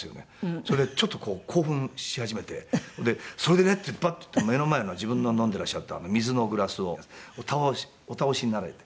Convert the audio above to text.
それでちょっと興奮し始めて「それでね」ってバッと目の前の自分の飲んでらっしゃった水のグラスをお倒しになられて。